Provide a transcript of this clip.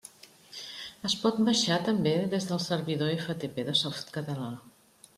Es pot baixar també des del servidor FTP de Softcatalà.